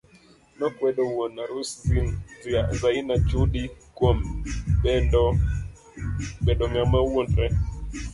Nokwedo wuon arus Zaina Chudi kuom bendo ng'ama wuondore.